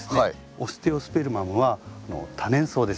オステオスペルマムは多年草です。